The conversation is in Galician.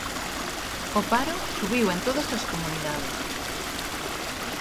O paro subiu en todas as comunidades.